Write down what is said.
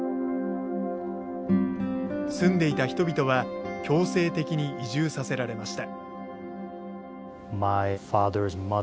住んでいた人々は強制的に移住させられました。